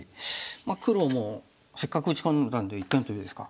黒もせっかく打ち込んだんで一間トビですか。